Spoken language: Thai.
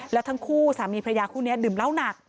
แล้วทั้งคู่สามีพระยาคู่นี้ดื่มเหล้าหนัก